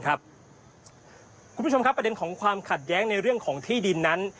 คุณผู้ชมครับประเด็นของความขัดแย้งในเรื่องของที่ดินนั้น